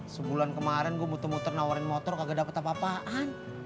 sebulan kemarin gue muter muter nawarin motor kagak dapat apa apaan